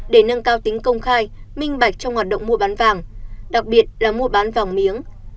để nâng cao tính công khai minh bạch trong hoạt động mua bán vàng đặc biệt là mua bán vàng miếng